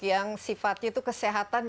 yang sifatnya itu kesehatan